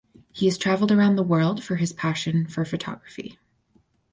He has travelled around the world for his passion for photography.